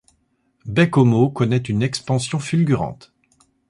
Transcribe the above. Baie-Comeau connaît une expansion fulgurante.